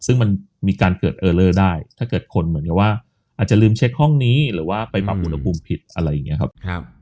ซึ่งมันมีการเกิดเออเลอร์ได้ถ้าเกิดคนเหมือนกับว่าอาจจะลืมเช็คห้องนี้หรือว่าไปปรับอุณหภูมิผิดอะไรอย่างนี้ครับ